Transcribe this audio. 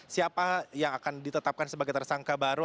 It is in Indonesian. siapa yang akan ditetapkan sebagai tersangka baru